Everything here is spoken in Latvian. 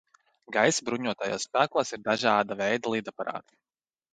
Gaisa bruņotajos spēkos ir dažāda veida lidaparāti.